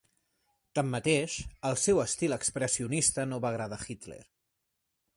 Tanmateix, el seu estil expressionista no va agradar a Hitler.